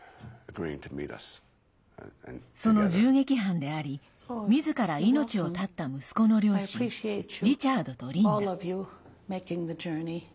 その銃撃犯でありみずから命を絶った息子の両親リチャードとリンダ。